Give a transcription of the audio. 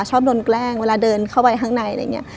ชอบโดนแกล้งเวลาเดินเข้าไปข้างในอะไรอย่างนี้